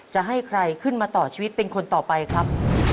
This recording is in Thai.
จะให้ใครขึ้นมาต่อชีวิตเป็นคนต่อไปครับ